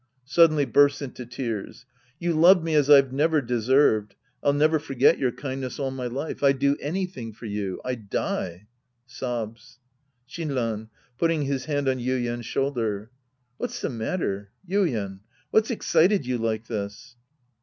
{Suddenly bursts into tears.) You love me as I've never deserved. I'll never forget your kindness all my life. I'd do anything for you. I'd die. {Sobs.) Shinran {putting his hand on Yuien's shoulder). What's the matter? Yuien. What's excited you like this